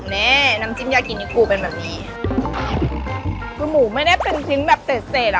แม่น้ำจิ้มยากินิกูเป็นแบบนี้คือหมูไม่ได้เป็นชิ้นแบบเศษเศษอ่ะ